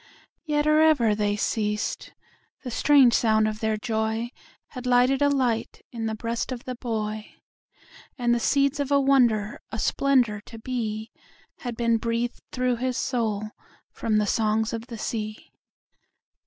Yet or ever they ceas'd, the strange sound of their joyHad lighted a light in the breast of the boy:And the seeds of a wonder, a splendor to beHad been breath'd through his soul from the songs of the sea.